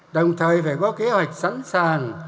đồng thời phải có kế hoạch sẵn sàng